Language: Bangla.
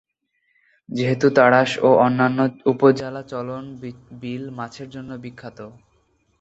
যেহেতু তাড়াশ ও অন্যান্য উপজেলা চলন বিল মাছের জন্য বিখ্যাত।